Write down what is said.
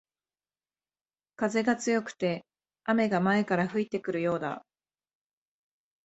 風が強くて雨が前から吹いてくるようだ